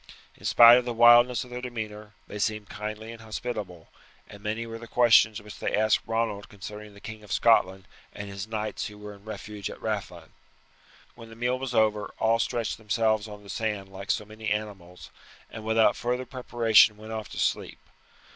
In spite of the wildness of their demeanour they seemed kindly and hospitable; and many were the questions which they asked Ronald concerning the King of Scotland and his knights who were in refuge at Rathlin. When the meal was over all stretched themselves on the sand like so many animals, and without further preparation went off to sleep.